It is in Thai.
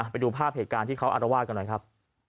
ไปดูภาพเหตุการณ์ที่เขาอารวาสกันหน่อยครับ